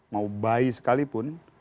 mau bayi sekalipun